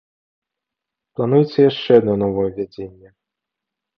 Плануецца яшчэ адно новаўвядзенне.